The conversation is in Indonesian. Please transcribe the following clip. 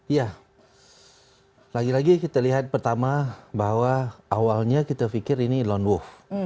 ya lagi lagi kita lihat pertama bahwa awalnya kita pikir ini lone wolf